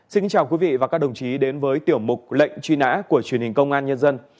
xin chào quý vị và các đồng chí đến với tiểu mục lệnh truy nã của truyền hình công an nhân dân